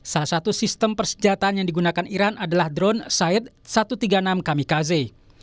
salah satu sistem persenjataan yang digunakan iran adalah drone side satu ratus tiga puluh enam kamikaze